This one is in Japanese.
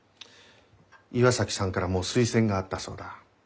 岩崎さんからも推薦があったそうだ。